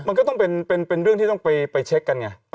มันก็ต้องเป็นเรื่องที่ต้องไปเช็คกันไง